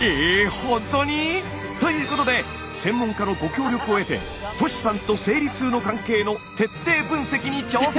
ほんとに？ということで専門家のご協力を得てトシさんと生理痛の関係の徹底分析に挑戦！